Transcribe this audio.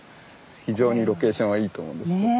非常にロケーションはいいと思うんですけど。